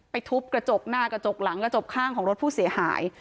ทุบกระจกหน้ากระจกหลังกระจกข้างของรถผู้เสียหาย